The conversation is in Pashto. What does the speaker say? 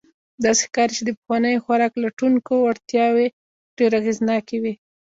داسې ښکاري، چې د پخوانیو خوراک لټونکو وړتیاوې ډېر اغېزناکې وې.